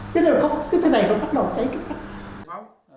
chứ không cái thế này không bắt đầu cháy chút chút